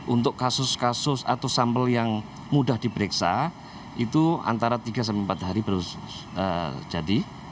untuk kasus kasus atau sampel yang mudah diperiksa itu antara tiga sampai empat hari baru jadi